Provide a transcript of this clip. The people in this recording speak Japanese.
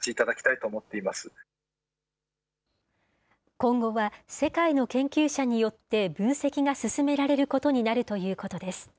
今後は世界の研究者によって分析が進められることになるということです。